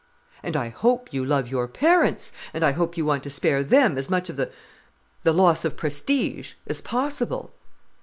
"And I hope you love your parents, and I hope you want to spare them as much of the—the loss of prestige, as possible."